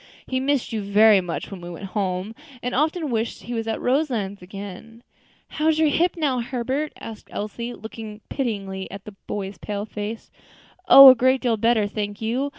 He missed you very much when we went home, and often wished he was at Roselands again." "How is your hip now, Herbert?" asked Elsie, looking pityingly at the boy's pale face. "Oh! a great deal better, thank you.